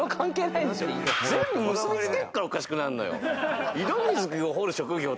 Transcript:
全部結び付けるからおかしくなるのよ。